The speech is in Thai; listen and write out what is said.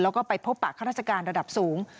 แล้วก็ไปพบประธรรจการระดับสูง